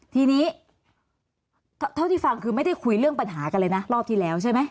ทีนี้เท่าที่ฟังคือไม่ได้คุยเรื่องปัญหากันเลยนะรอบที่แล้วใช่ไหม